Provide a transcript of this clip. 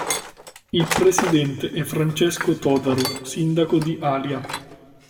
Il presidente è Francesco Todaro, sindaco di Alia.